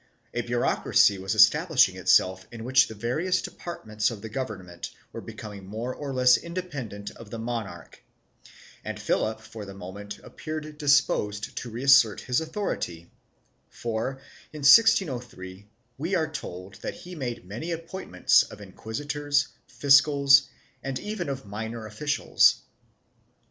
A bureaucracy was establish ing itself in which the various departments of the government were becoming more or less independent of the monarch and Philip for the moment appeared disposed to reassert his authority, for, in 1603, we are told that he made many appointments of inquisitors, fiscals, and even of minor officials.